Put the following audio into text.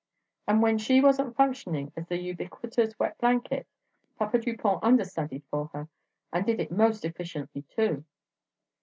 And when she wasn't functioning as the ubiquitous wet blanket, Papa Dupont understudied for her, and did it most efficiently, too.